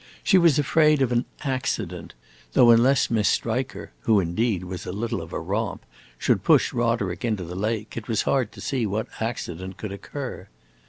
She was afraid of an "accident," though unless Miss Striker (who indeed was a little of a romp) should push Roderick into the lake, it was hard to see what accident could occur.